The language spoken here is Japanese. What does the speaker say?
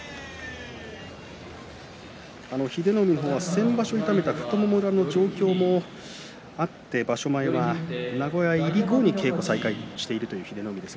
英乃海の方は先場所痛めた太もも裏の状況もあって名古屋入り後に稽古を再開したということです。